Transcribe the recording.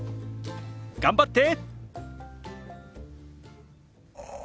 頑張って！